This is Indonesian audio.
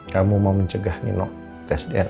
kamu mau mencegah nino tes dna